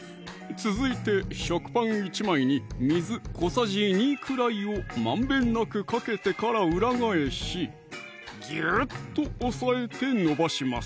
続いて食パン１枚に水小さじ２くらいをまんべんなくかけてから裏返しギューッと押さえて延ばします！